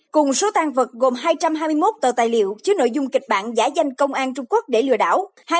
cùng số tan vật gồm hai trăm hai mươi một tờ tài liệu chứa nội dung kịch bản giả danh công an trung quốc để lừa đảo